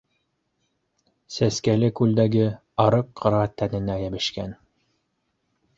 Сәскәле күлдәге арыҡ ҡыра тәненә йәбешкән